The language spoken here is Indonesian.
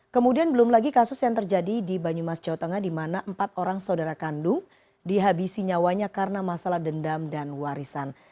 kemudian belum lagi kasus yang terjadi di banyumas jawa tengah di mana empat orang saudara kandung dihabisi nyawanya karena masalah dendam dan warisan